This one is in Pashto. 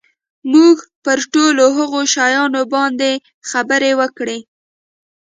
موږ پر ټولو هغو شیانو باندي خبري وکړې.